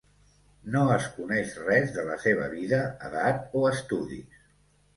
No es coneix res de la seva vida, edat o estudis.